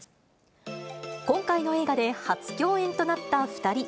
今回の映画で初共演となった２人。